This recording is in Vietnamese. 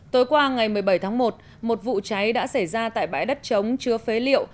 tối qua ngày một mươi bảy tháng một một vụ cháy đã xảy ra tại bãi đất chống chứa phế liệu